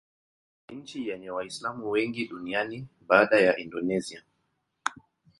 Ni nchi yenye Waislamu wengi duniani baada ya Indonesia.